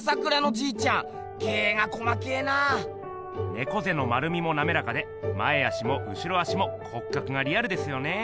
ねこぜの丸みもなめらかで前足も後ろ足も骨格がリアルですよね！